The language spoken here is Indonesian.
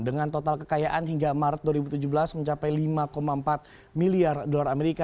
dengan total kekayaan hingga maret dua ribu tujuh belas mencapai lima empat miliar dolar amerika